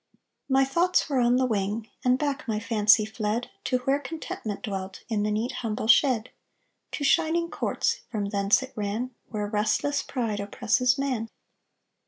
My thoughts were on the wing, And back my fancy fled To where contentment dwelt In the neat humble shed; To shining courts From thence it ran, Where restless pride Oppresses man.